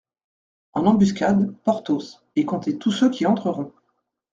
En embuscade, Porthos, et comptez tous ceux qui entreront.